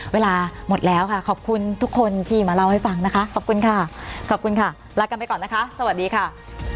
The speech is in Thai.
เวลาหมดแล้วค่ะขอบคุณทุกคนที่มาเล่าให้ฟังนะคะขอบคุณค่ะขอบคุณค่ะลากันไปก่อนนะคะสวัสดีค่ะ